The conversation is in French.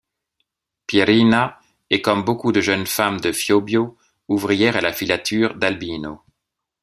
Pierina est comme beaucoup de jeunes femmes de Fiobbio, ouvrière à la filature d'Albino.